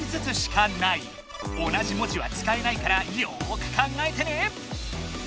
同じもじは使えないからよく考えてね！